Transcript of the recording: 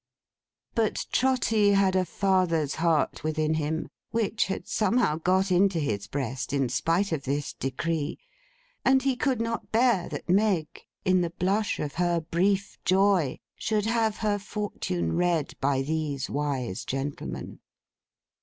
But Trotty had a father's heart within him; which had somehow got into his breast in spite of this decree; and he could not bear that Meg, in the blush of her brief joy, should have her fortune read by these wise gentlemen.